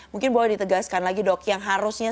mungkin boleh ditegaskan lagi dok yang harusnya